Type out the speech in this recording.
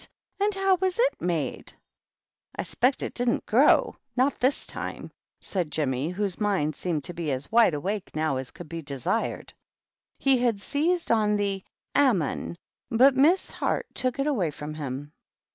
And how was it made ?"" I s'pect it didnH grow, — not this time !" said Jemmy, whose mind seemed to be as wide awake now as could be desired. He had seized on the "ammon," but Miss Heart took it away from him.